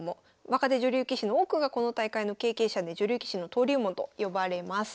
若手女流棋士の多くがこの大会の経験者で女流棋士の登竜門と呼ばれます。